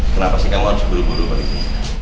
kenapa sih kamu harus buru buru pergi